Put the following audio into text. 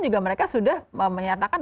juga mereka sudah menyatakan